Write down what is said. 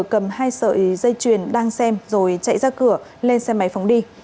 cầm hai sợi dây chuyền đang xem rồi chạy ra cửa lên xe máy phóng đi